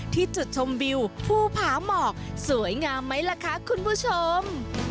ที่จุดชมวิวภูผาหมอกสวยงามไหมล่ะคะคุณผู้ชม